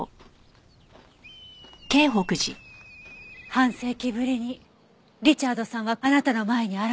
半世紀ぶりにリチャードさんはあなたの前に現れた。